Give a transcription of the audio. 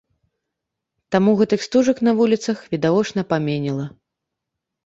Таму гэтых стужак на вуліцах відавочна паменела.